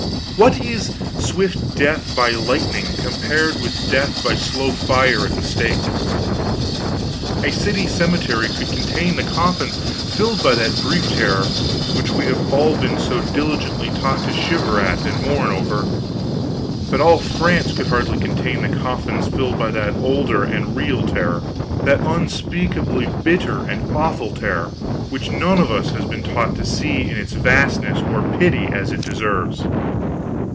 What is swift death by lightning compared with death by slow fire at the stake? A city cemetery could contain the coffins filled by that brief Terror which we have all been so diligently taught to shiver at and mourn over; but all France could hardly contain the coffins filled by that older and real Terror that unspeakably bitter and awful Terror which none of us has been taught to see in its vastness or pity as it deserves.